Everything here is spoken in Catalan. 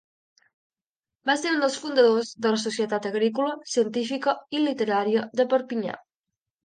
Va ser un dels fundadors de la Societat Agrícola, Científica i Literària de Perpinyà.